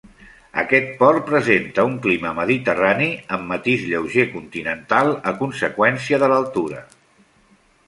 Aquest port presenta un clima mediterrani amb matís lleuger continental a conseqüència de l'altura.